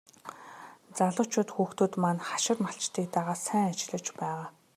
Залуучууд хүүхдүүд маань хашир малчдыг дагаад сайн ажиллаж байгаа.